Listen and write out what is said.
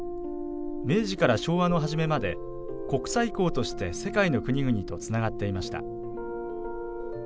明治から昭和のはじめまで国際港として、世界の国々とつながっていました。